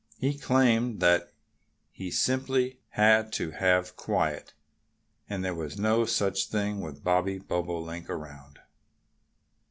He claimed that he simply had to have quiet. And there was no such thing, with Bobby Bobolink around.